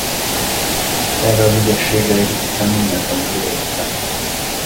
Erre az ügyességre építettem mindent, amikor idejöttem.